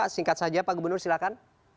singkat saja pak gubernur silahkan